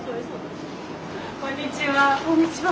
こんにちは。